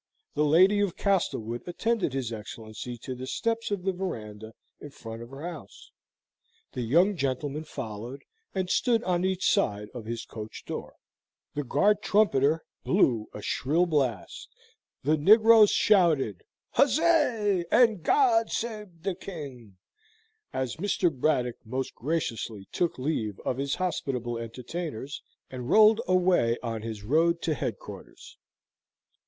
The lady of Castlewood attended his Excellency to the steps of the verandah in front of her house, the young gentlemen followed, and stood on each side of his coach door. The guard trumpeter blew a shrill blast, the negroes shouted "Huzzay, and God sabe de King," as Mr. Braddock most graciously took leave of his hospitable entertainers, and rolled away on his road to headquarters.